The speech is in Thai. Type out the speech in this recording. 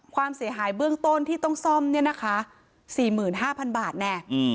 ความเสียหายเบื้องต้นที่ต้องซ่อมเนี่ยนะคะ๔๕๐๐บาทแน่